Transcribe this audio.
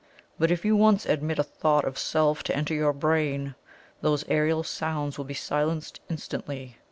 But if you once admit a thought of Self to enter your brain, those aerial sounds will be silenced instantly.